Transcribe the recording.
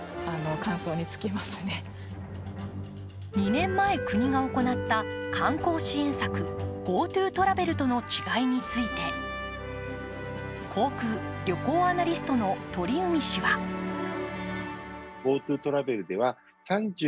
２年前、国が行った観光支援策、ＧｏＴｏトラベルとの違いについて航空・旅行アナリストの鳥海氏はまさに、そんな人がいた。